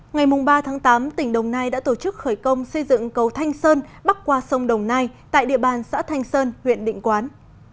ngày ba tháng tám tỉnh đồng nai đã tổ chức khởi công xây dựng cầu thanh sơn bắc qua sông đồng nai tại địa bàn xã thanh sơn huyện định quán